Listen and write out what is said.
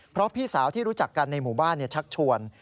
เพราะพี่สาวที่รู้จักกันในหมู่บ้านชักชวน